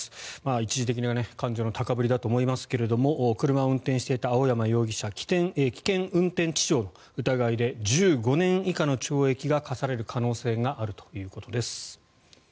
一時的な感情の高ぶりだと思いますが車を運転していた青山容疑者危険運転致傷の疑いで１５年以下の懲役が科される可能性があるということです。